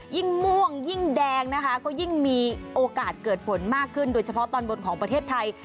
ยิ่งม่วงยิ่งแดงนะคะก็ยิ่งมีโอกาสเกิดฝนมากขึ้นโดยเฉพาะตอนบนของประเทศไทย